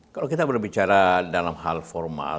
kalau kita berbicara dalam hal formal